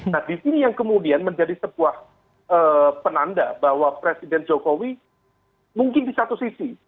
nah di sini yang kemudian menjadi sebuah penanda bahwa presiden jokowi mungkin di satu sisi